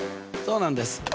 そうなんです。